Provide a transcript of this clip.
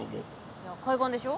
いや海岸でしょ。